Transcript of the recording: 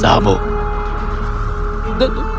terima kasih telah memberiku bahasamu